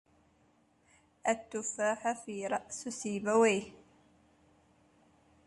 تفاحة في رأس سنبويه